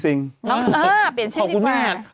เออเปลี่ยนชื่อดีไป